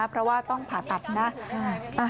เพราะว่าต้องผ่าตัดนะ